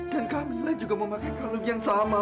dan camilla juga memakai kalung yang sama